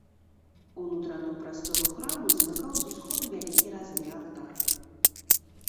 Унутраную прастору храму замыкаў з усходу вялікі разны алтар.